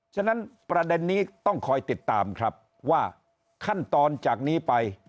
ฉะนั้นประเด็นนี้ต้องคอยติดตามครับว่าขั้นตอนจากนี้ไป